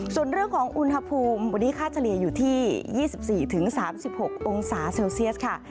ส่วนเรื่องของอุณหภูมิวันนี้ค่าเฉลี่ยอยู่ที่๒๔๓๖องศาเซลเซียสค่ะ